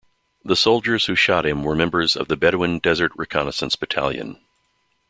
The soldiers who shot him were members of the Bedouin Desert Reconnaissance Battalion.